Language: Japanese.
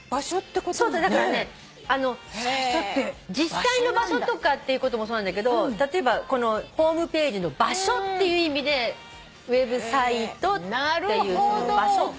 そうそうだからね実際の場所とかっていうこともそうなんだけど例えばホームページの場所っていう意味でウェブサイトっていう場所って指したりっていう。